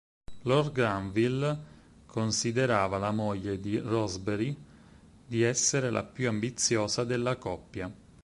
Lord Granville considerava la moglie di Rosebery di essere la più ambiziosa della coppia.